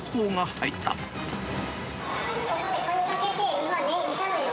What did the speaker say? ここで声かけて、今ね、いたのよ。